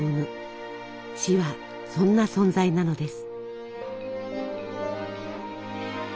死はそんな存在なのです。